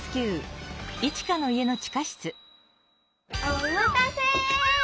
おまたせ！